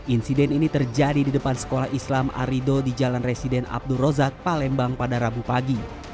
insiden ini terjadi di depan sekolah islam arido di jalan residen abdul rozak palembang pada rabu pagi